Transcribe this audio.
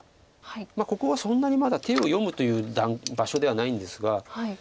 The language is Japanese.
ここはそんなにまだ手を読むという場所ではないんですが。